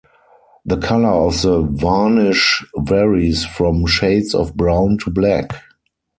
The color of the varnish varies from shades of brown to black.